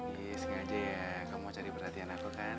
ini sengaja ya kamu mau cari perhatian aku kan